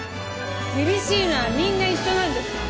厳しいのはみんな一緒なんです！